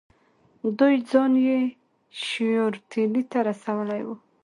دوی ځان یې شیورتیلي ته رسولی وو.